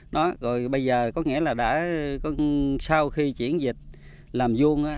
đó rồi bây giờ có nghĩa là đã sau khi chuyển dịch làm vuông á